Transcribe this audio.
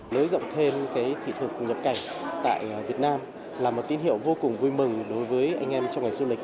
lới rộng thêm cái thị thực nhập cảnh tại việt nam là một tín hiệu vô cùng vui mừng đối với anh em trong người du lịch